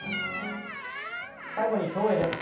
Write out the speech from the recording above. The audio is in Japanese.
最後に競泳です。